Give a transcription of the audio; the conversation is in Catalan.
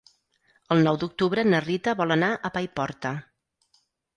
El nou d'octubre na Rita vol anar a Paiporta.